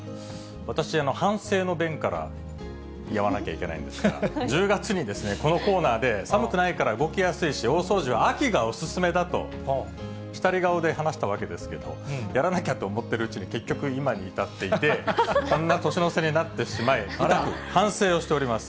私、反省の弁から言わなきゃいけないんですが、１０月にこのコーナーで、寒くないから動きやすいし、大掃除は秋がお勧めだと、したり顔で話したわけですけれど、やらなきゃと思っているうちに、結局、今に至っていて、こんな年の瀬になってしまい、深く反省をしております。